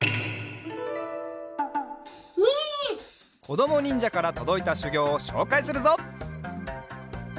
こどもにんじゃからとどいたしゅぎょうをしょうかいするぞ。